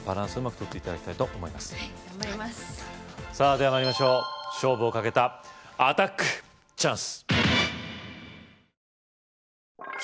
さぁでは参りましょう勝負をかけたアタックチャンス‼